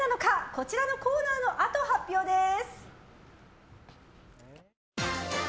こちらのコーナーのあと発表です。